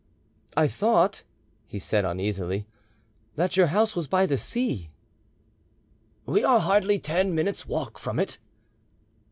"I thought," he said uneasily, "that your house was by the sea." "We are hardly ten minutes' walk from it."